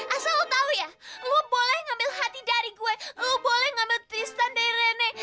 asal lo tau ya lo boleh ngambil hati dari gue lo boleh ngambil kristen dari rene